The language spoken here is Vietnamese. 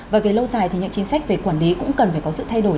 và về lâu dài thì những chính sách về quản lý cũng cần phải có sự thay đổi